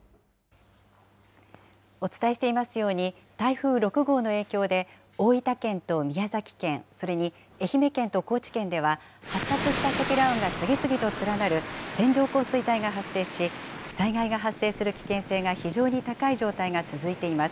お伝えしていますように、台風６号の影響で、大分県と宮崎県、それに愛媛県と高知県では、発達した積乱雲が次々と連なる線状降水帯が発生し、災害が発生する危険性が非常に高い状態が続いています。